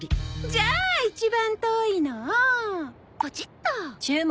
じゃあ一番遠いのをポチッと！